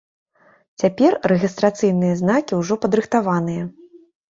Цяпер рэгістрацыйныя знакі ўжо падрыхтаваныя.